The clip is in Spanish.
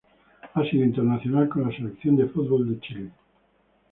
Ha sido internacional con la Selección de fútbol de Chile.